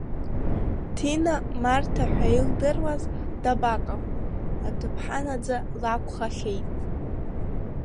Ҭина Марҭа ҳәа илдыруаз дабаҟаху, аҭыԥҳа наӡа лакәхахьеит.